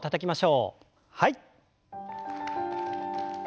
はい。